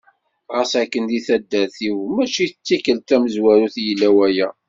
Ɣas akken di taddart-iw mačči d tikkelt tamezwarut i d-yella waya.